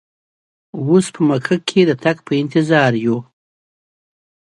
اوس په مکه کې د تګ په انتظار یو.